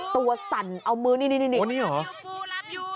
ตัวสั่นเอามื้อนี่นี่เหรอ